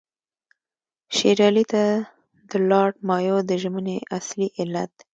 شېر علي ته د لارډ مایو د ژمنې اصلي علت.